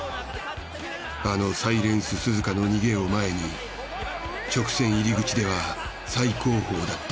あのサイレンススズカの逃げを前に直線入り口では最後方だった。